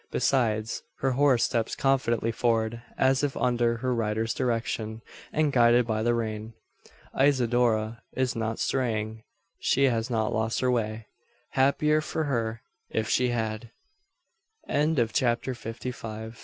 Besides, her horse steps confidently forward, as if under his rider's direction, and guided by the rein. Isidora is not straying. She has not lost her way. Happier for her, if she had. CHAPTER FIFTY SIX.